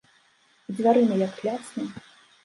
І дзвярыма як лясне!